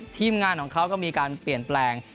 ทีมงานของเขาก็มีการเปลี่ยนแปลง